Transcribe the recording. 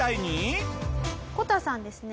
こたさんですね